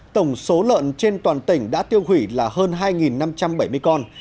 tổng số lợn trên toàn tỉnh đã tiêu hủy là hơn hai năm trăm bảy mươi con